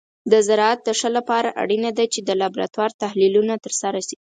د زراعت د ښه لپاره اړینه ده چې د لابراتور تحلیلونه ترسره شي.